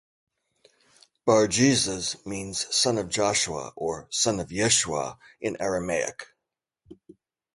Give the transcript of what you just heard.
"Bar-Jesus" means "Son of Joshua" or "Son of Yeshua" in Aramaic.